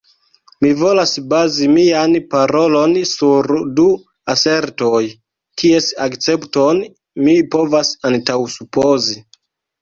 Mi volas bazi mian parolon sur du asertoj, kies akcepton mi povas antaŭsupozi.